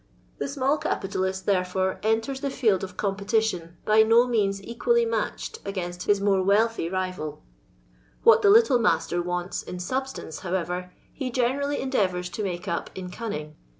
I The tmall capitalist, therefore, enters the field I of competition by no means eqtiallj matched I against his more wealthy rival, What the little I master wanU in " substance," however, he gene { rally endeavours to make up in cunning.